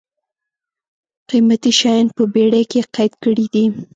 قېمتي شیان یې په بېړۍ کې قید کړي دي.